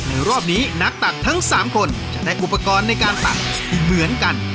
รอบนี้นักตักทั้ง๓คนจะได้อุปกรณ์ในการตักที่เหมือนกัน